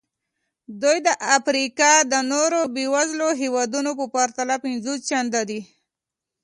دوی د افریقا د نورو بېوزلو هېوادونو په پرتله پنځوس چنده دي.